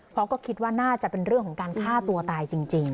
เพราะก็คิดว่าน่าจะเป็นเรื่องของการฆ่าตัวตายจริง